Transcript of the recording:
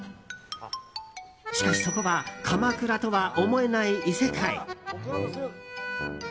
しかしそこは鎌倉とは思えない異世界。